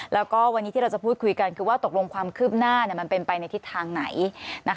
แล้วก็วันนี้ที่เราจะพูดคุยกันคือว่าตกลงความคืบหน้ามันเป็นไปในทิศทางไหน